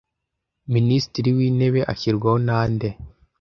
Minisitiri w’intebe ashyirwaho na nde